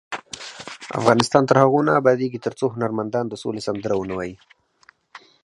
افغانستان تر هغو نه ابادیږي، ترڅو هنرمندان د سولې سندرې ونه وايي.